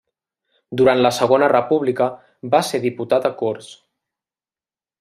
Durant la Segona República va ser diputat a Corts.